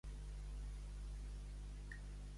—Cagarrines. —De les fines.